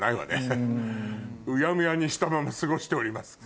うやむやにしたまま過ごしております。